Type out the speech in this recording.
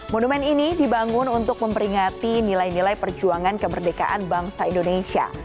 monumen ini dibangun untuk memperingati nilai nilai perjuangan kemerdekaan bangsa indonesia